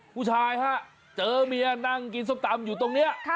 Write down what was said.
ผู้ชายฮะเจอเมียนั่งกินส้มตำอยู่ตรงนี้